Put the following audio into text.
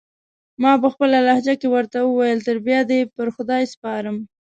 ما پخپله لهجه کې ورته وویل: تر بیا دې پر خدای سپارم.